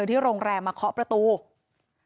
มีชายแปลกหน้า๓คนผ่านมาทำทีเป็นช่วยค่างทาง